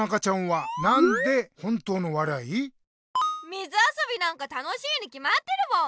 水あそびなんか楽しいにきまってるもん。